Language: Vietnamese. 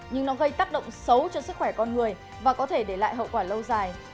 nhưng nó gây tác động xấu cho sức khỏe con người và có thể để lại hậu quả lâu dài